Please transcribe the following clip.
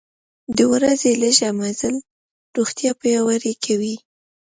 د ورځې لږه مزل روغتیا پیاوړې کوي.